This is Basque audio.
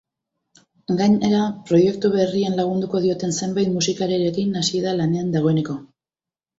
Gainera, proiektu berrian lagunduko dioten zenbait musikarirekin hasi da lanean dagoeneko.